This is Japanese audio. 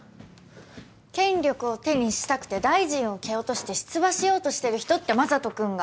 権力を手にしたくて大臣を蹴落として出馬しようとしてる人って眞人君が。